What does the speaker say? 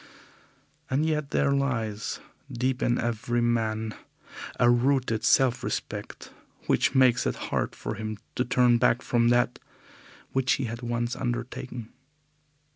And yet there lies deep in every man a rooted self respect which makes it hard for him to turn back from that which he has once undertaken.